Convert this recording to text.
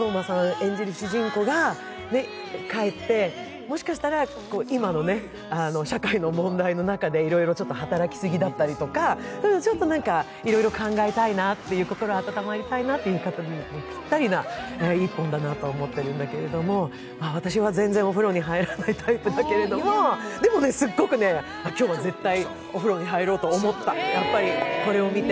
演じる主人公が帰って、もしかしたら、今の社会の問題の中で働き過ぎだったりとか、いろいろ考えたいなとか、心温まりたいなというときにぴったりな一本なんだけど私は全然お風呂に入らないタイプだけれども、でもね、すごく今日は絶対お風呂に入ろうと思った、やっぱりこれを見て。